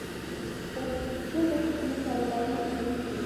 درګرده کوچني کاروبارونه پیلېږي